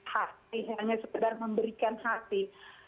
hanya sekedar memberikan hati